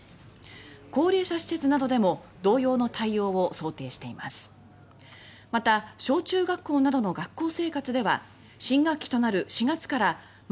高齢者施設などでも同様の対応を想定しています。